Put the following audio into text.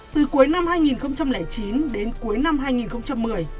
từ cuối năm hai nghìn chín đến cuối năm hai nghìn một mươi